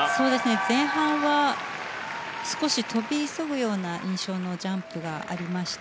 前半は少し跳び急ぐような印象のジャンプがありました。